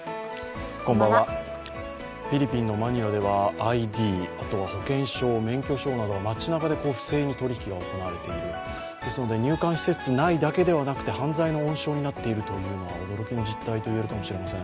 フィリピンのマニラではＩＤ、あとは保険証、免許証などが街なかで不正に取り引きが行われている、ですので入管施設内だけではなく犯罪の温床になっているのは驚きの実態と言えるかもしれません。